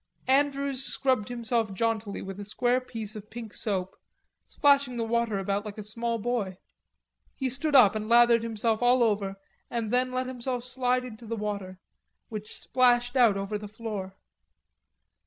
Andrews scrubbed himself jauntily with a square piece of pink soap, splashing the water about like a small boy. He stood up and lathered himself all over and then let himself slide into the water, which splashed out over the floor.